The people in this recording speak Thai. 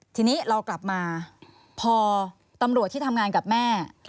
ทีนี้เรากลับมาพอตำรวจที่ทำงานกับแม่